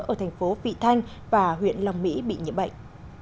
ở thành phố vị thanh và huyện long mỹ bị nhiễm bệnh